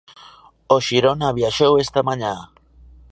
O Xirona viaxou esta mañá.